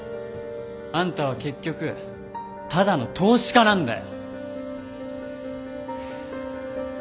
あんたは結局ただの投資家なんだよ。